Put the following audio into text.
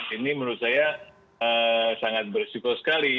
ini menurut saya sangat berisiko sekali